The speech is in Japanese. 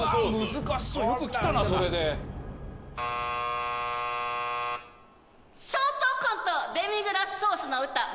難しそうよく来たなそれでショートコントデミグラスソースの歌